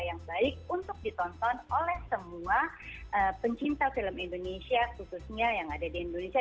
yang baik untuk ditonton oleh semua pencinta film indonesia khususnya yang ada di indonesia